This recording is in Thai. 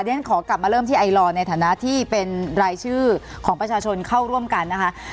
ฉันขอกลับมาเริ่มที่ไอลอร์ในฐานะที่เป็นรายชื่อของประชาชนเข้าร่วมกันนะคะ